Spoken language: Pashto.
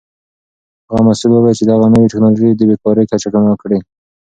هغه مسؤل وویل چې دغه نوې تکنالوژي به د بیکارۍ کچه کمه کړي.